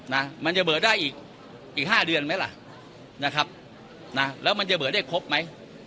นะมันจะเบิดได้อีกอีกห้าเดือนไหมล่ะนะครับนะแล้วมันจะเบิดได้ครบไหม